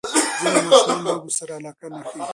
ځینې ماشومان لوبو سره علاقه نه ښیي.